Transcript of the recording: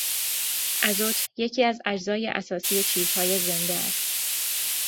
ازت یکی از اجزای اساسی چیزهای زنده است.